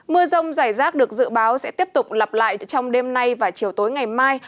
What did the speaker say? mưa rông rải rác được dự báo sẽ tiếp tục lặp lại trong đêm nay và chiều tối ngày mai